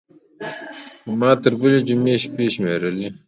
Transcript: خو ما تر بلې جمعې شېبې شمېرلې.